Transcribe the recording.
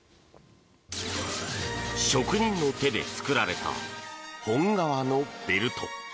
職人の手で作られた本革のベルト。